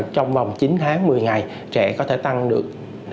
trong vòng chín tháng một mươi ngày trẻ có thể tăng được bốn mươi chín